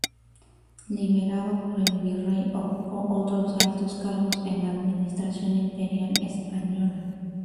Liberado por el Virrey, ocupó otros altos cargos en la administración imperial española.